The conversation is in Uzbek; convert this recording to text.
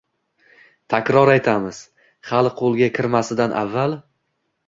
takror aytamiz, hali qo‘lga kirmasidan avval